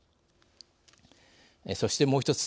そしてもう一つ。